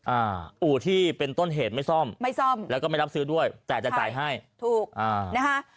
อู่ที่เป็นต้นเหตุไม่ซ่อมไม่ซ่อมแล้วก็ไม่รับซื้อด้วยแต่จะจ่ายให้ถูกอ่านะคะ